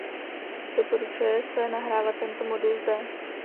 Doporučuje se nahrávat tento modul zde.